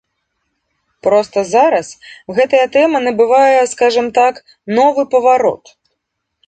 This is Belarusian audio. Проста зараз гэтая тэма набывае, скажам так, новы паварот.